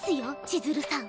千鶴さん。